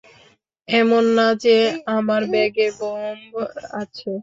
এমন না যে আমার ব্যাগে বোম্ব আছে।